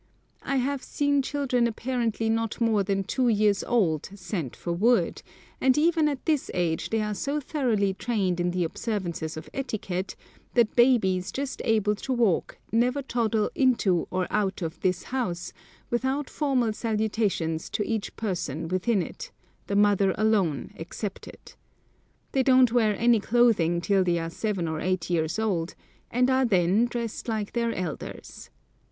I have seen children apparently not more than two years old sent for wood; and even at this age they are so thoroughly trained in the observances of etiquette that babies just able to walk never toddle into or out of this house without formal salutations to each person within it, the mother alone excepted. They don't wear any clothing till they are seven or eight years old, and are then dressed like their elders.